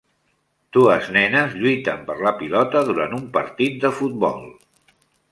Dues nenes lluiten per la pilota durant un partit de futbol.